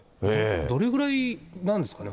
どれぐらいなんですかね。